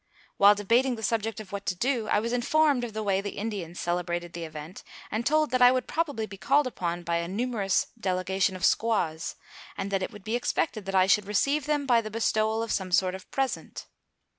While debating the subject of what to do, I was informed of the way the Indians celebrated the event, and told that I would probably be called upon by a numerous delegation of squaws, and that it would be expected that I should receive them by the bestowal of some sort of present.